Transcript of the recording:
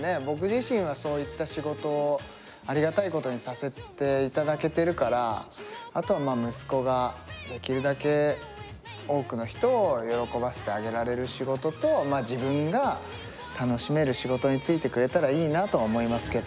僕自身はそういった仕事をありがたいことにさせて頂けてるからあとは息子ができるだけ多くの人を喜ばせてあげられる仕事と自分が楽しめる仕事についてくれたらいいなと思いますけど。